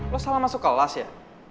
lu salah masuk kelas ya